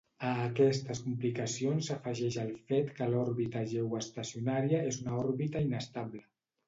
A aquestes complicacions s'afegeix el fet que l'òrbita geoestacionària és una òrbita inestable.